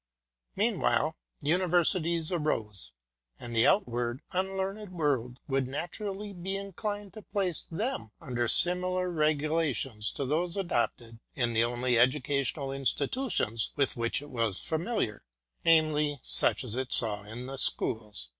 Meanwhile Universities arose; and the outward, unlearned world would naturally be inclined to place them under similar regulations to those adopted in the only edu cational institutions with which it was familiar, i. e. such as it saw in the schools.